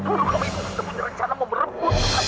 udah kita bakal mampus